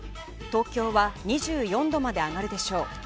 東京は２４度まで上がるでしょう。